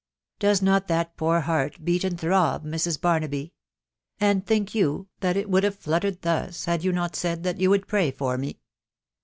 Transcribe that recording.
Does not that poor heart beat and throb, Mrs. Barnaby ?.... and think you that it would have fluttered thus, had you not said that you would pray for me